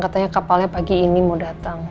katanya kapalnya pagi ini mau datang